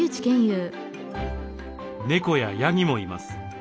ネコやヤギもいます。